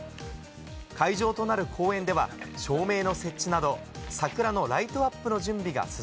会場となる公園には照明の設置など、桜のライトアップの準備が進